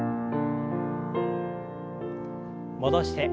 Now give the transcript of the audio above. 戻して。